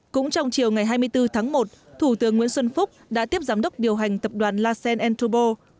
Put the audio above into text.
cũng trong chiều ngày hai mươi bốn tháng một thủ tướng nguyễn xuân phúc đã tiếp giám đốc điều hành tập đoàn lacen entubo